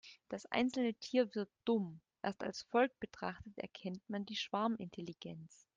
Das einzelne Tier wirkt dumm, erst als Volk betrachtet erkennt man die Schwarmintelligenz.